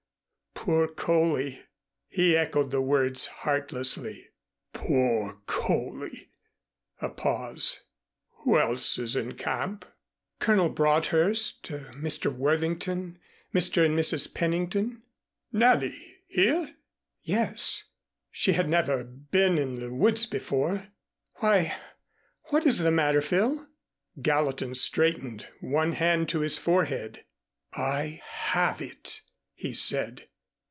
Poor Coley!" He echoed the words heartlessly. "Poor Coley!" A pause. "Who else is in camp?" "Colonel Broadhurst, Mr. Worthington, Mr. and Mrs. Pennington " "Nellie! Here?" "Yes, she had never been in the woods before. Why, what is the matter, Phil?" Gallatin straightened, one hand to his forehead. "I have it," he said.